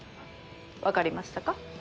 わかりましたか？